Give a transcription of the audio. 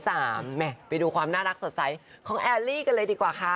ไปดูความน่ารักสดใสของแอลลี่กันเลยดีกว่าค่ะ